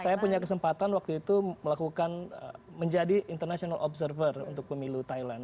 saya punya kesempatan waktu itu melakukan menjadi international observer untuk pemilu thailand